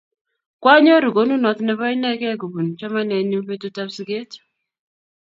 Kwaanyoru konunot ne po inekey kopin chamanennyu petut ap siget